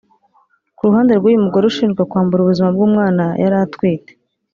Ku ruhande rw’uyu mugore ushinjwa kwambura ubuzima bw’umwana yari atwite